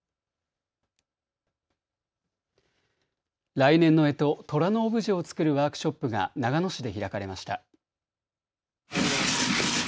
来年のえと、とらのオブジェを作るワークショップが長野市で開かれました。